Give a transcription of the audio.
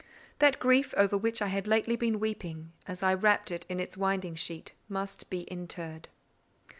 That grief over which I had lately been weeping, as I wrapped it in its winding sheet, must be interred.